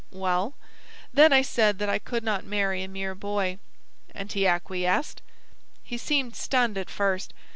"Well?" "Then I said that I could not marry a mere boy." "And he acquiesced?" "He seemed stunned at first.